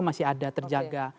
masih ada terjaga